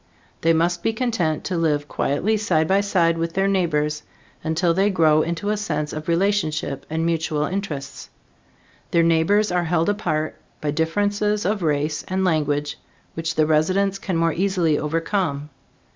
They must be content to live quietly side by side with their neighbors, until they grow into a sense of relationship and mutual interests. Their neighbors are held apart by differences of race and language which the residents can more easily overcome.